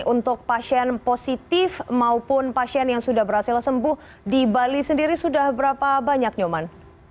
untuk pasien positif maupun pasien yang sudah berhasil sembuh di bali sendiri sudah berapa banyak nyoman